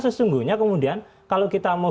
sesungguhnya kemudian kalau kita mau